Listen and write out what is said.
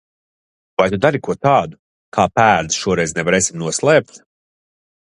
Vai tu dari ko tādu, kā pēdas šoreiz nevarēsim noslēpt?